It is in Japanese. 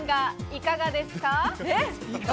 いかがですか？